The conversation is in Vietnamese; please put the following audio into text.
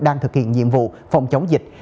đang thực hiện nhiệm vụ phòng chống dịch